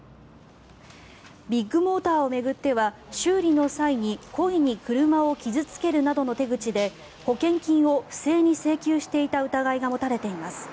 ビッグモーターを巡っては修理の際に故意に車を傷付けるなどの手口で保険金を不正に請求していた疑いが持たれています。